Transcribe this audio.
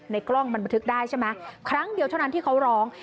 กล้องมันบันทึกได้ใช่ไหมครั้งเดียวเท่านั้นที่เขาร้อง